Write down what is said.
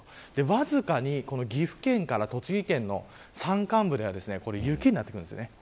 わずかに岐阜県から栃木県の山間部では雪になってきます。